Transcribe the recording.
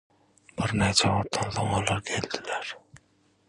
Ondan gowsy hapa dökülýn bedreler, gaplar hakda aýdaýyn.